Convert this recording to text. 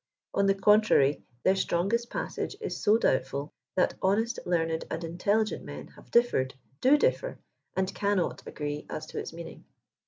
On the contrary their strongest passage is so doubtful, that honest, learned and inteUigent men hav^e differed, do differ, and cannot agree as to its meaning.